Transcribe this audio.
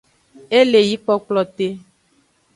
E le yi kplokplote.